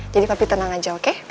jadi papi tenang aja oke